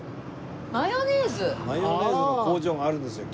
マヨネーズの工場があるんですよ